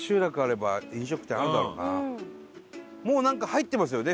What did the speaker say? もうなんか入ってますよね